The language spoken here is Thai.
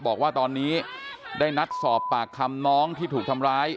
บอกว่าตอนนี้ได้นัดสอบปากคำน้องที่ถูกทำร้าย